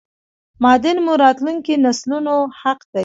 معادن مو راتلونکو نسلونو حق دی!!